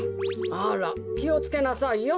あらきをつけなさいよ。